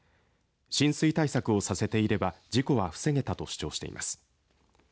浸水対策をさせていれば事故は防げたと主張しています。